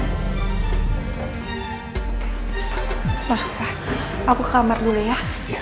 bahkan aku ke kamar dulu ya